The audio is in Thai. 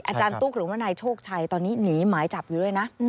อาจารย์ตุ๊กหรือว่านายโชคชัยตอนนี้หนีหมายจับอยู่ด้วยนะ